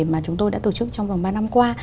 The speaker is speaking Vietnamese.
mà chúng tôi đã tổ chức trong vòng ba năm qua